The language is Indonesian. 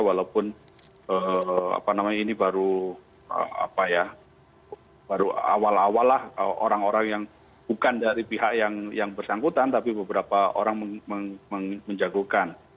walaupun apa namanya ini baru apa ya baru awal awal lah orang orang yang bukan dari pihak yang bersangkutan tapi beberapa orang menjagokan